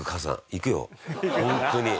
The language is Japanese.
行くよホントに。